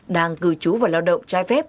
đang cư trú vào lao động trái phép